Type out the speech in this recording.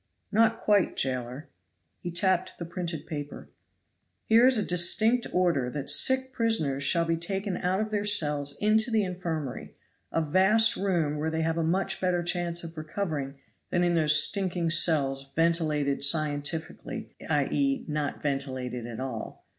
"Not quite, jailer." He tapped the printed paper. "Here is a distinct order that sick prisoners shall be taken out of their cells into the infirmary, a vast room where they have a much better chance of recovering than in those stinking cells ventilated scientifically, i.e., not ventilated at all.